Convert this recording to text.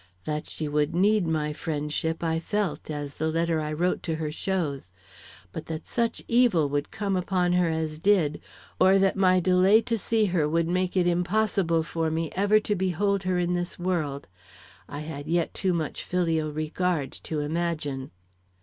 That she would need my friendship I felt, as the letter I wrote to her shows, but that such evil would come upon her as did, or that my delay to see her would make it impossible for me ever to behold her in this world, I had yet too much filial regard to imagine.